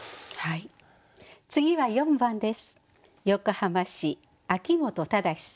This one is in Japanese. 次は４番です。